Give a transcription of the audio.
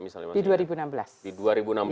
di dua ribu enam belas sampai tiga ribu